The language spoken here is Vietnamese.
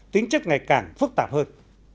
tính chất ngày càng phức tạp hơn